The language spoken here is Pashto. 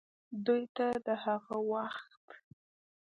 دوې ته دَ هغه وخت